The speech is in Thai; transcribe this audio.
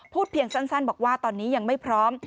เพียงสั้นบอกว่าตอนนี้ยังไม่พร้อม